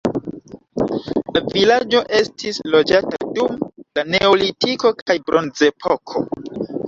La vilaĝo estis loĝata dum la neolitiko kaj bronzepoko.